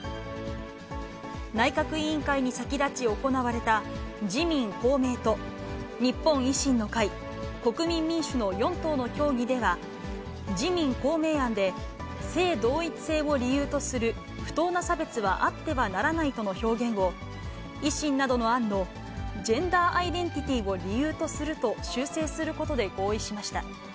内閣委員会に先立ち行われた自民、公明と日本維新の会、国民民主の４党の協議では、自民、公明案で、性同一性を理由とする不当な差別はあってはならないとの表現を、維新などの案のジェンダーアイデンティティを理由とすると修正することで合意しました。